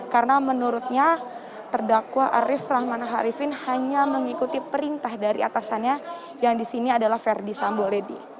karena menurutnya terdakwa arief rahman arifin hanya mengikuti perintah dari atasannya yang disini adalah verdi sambo lady